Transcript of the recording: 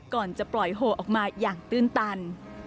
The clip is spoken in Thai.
ก่อนจะปล่อยโหออกมาอย่างตื้นตัน